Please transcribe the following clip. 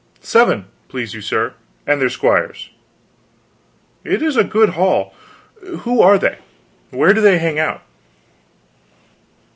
"Seven, please you, sir, and their squires." "It is a good haul. Who are they? Where do they hang out?"